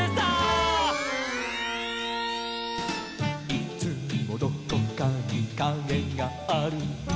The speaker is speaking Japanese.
「いつもどこかにかげがある」